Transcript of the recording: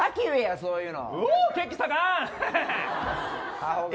そういうの。